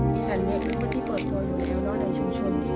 มีสัญลักษณ์ที่เปิดตัวอยู่ในแอวรอดในชุมชุม